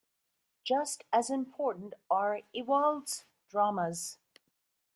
Just as important are Ewald's "dramas".